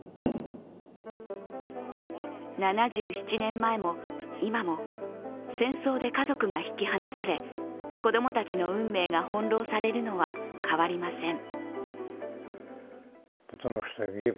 ７７年前も今も、戦争で家族が引き離され、子供たちの運命が翻弄されるのは変わりません。